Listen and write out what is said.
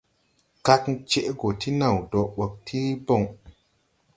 Kagn cɛʼ gɔ ti naw dɔɔ ɓɔg ti bɔŋ.